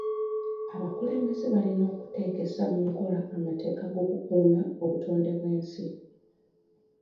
Abakulembeze balina okuteekesa mu nkola amateeka g'okukuuma obutonde bw'ensi.